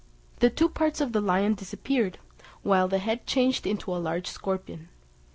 The two parts of the lion disappeared, while the head changed into a large scorpion.